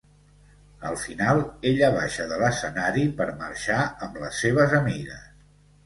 Al final, ella baixa de l'escenari per marxar amb les seves amigues.